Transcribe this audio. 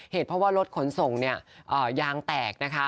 เหตุเพราะว่ารถขนส่งเนี่ยยางแตกนะคะ